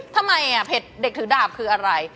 ทำไมเผ็ดเด็กถือดาบคืออะไร